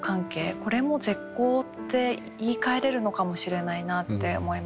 これも絶交って言いかえれるのかもしれないなって思いましたね。